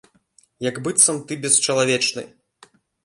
Як быццам ты бесчалавечны.